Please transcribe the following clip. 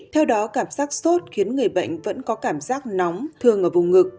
theo đó cảm giác sốt khiến người bệnh vẫn có cảm giác nóng thường ở vùng ngực